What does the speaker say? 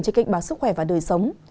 trên kênh báo sức khỏe và đời sống